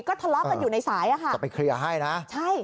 ก็ทะเลาะกันอยู่ในสายอะค่ะจะไปเคลียร์ให้นะใช่